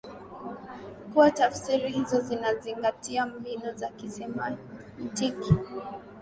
kuwa tafsiri hizo zinazingatia mbinu za kisemantiki